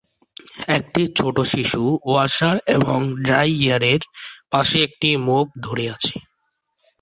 একটি ছোট শিশু ওয়াশার এবং ড্রাইয়ারের পাশে একটি মোপ ধরে আছে